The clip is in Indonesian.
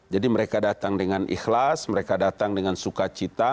jadi mereka datang dengan ikhlas mereka datang dengan sukacita